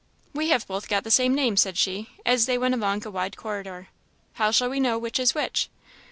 "We have both got the same name," said she, as they went along a wide corridor; "how shall we know which is which?"